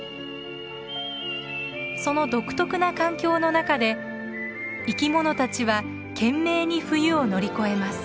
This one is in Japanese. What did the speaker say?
その独特な環境の中で生きものたちは懸命に冬を乗り越えます。